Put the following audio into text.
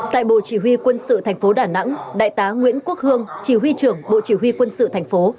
tại bộ chỉ huy quân sự tp đà nẵng đại tá nguyễn quốc hương chỉ huy trưởng bộ chỉ huy quân sự tp